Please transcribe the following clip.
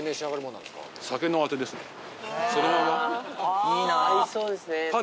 合いそうですね。